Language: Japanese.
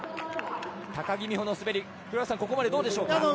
高木美帆の滑り、ここまでどうでしょうか？